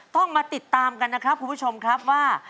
ต้องมาติดตามกันนะครับคุณผู้ชมครับว่า